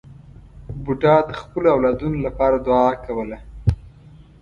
بوډا د خپلو اولادونو لپاره دعا کوله.